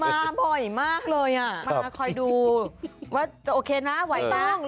มาบ่อยมากเลยอ่ะมาคอยดูว่าจะโอเคนะไหวบ้าง